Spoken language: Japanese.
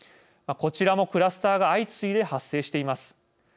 こちらも、クラスターが相次いで発生しています。